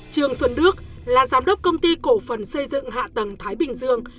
trương xuân đức là giám đốc công ty cổ phần xây dựng hạ tầng thái bình dương